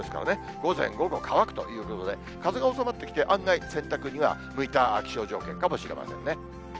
午前、午後、乾くということで、風が収まってきて、案外、洗濯には向いた気象条件かもしれませんね。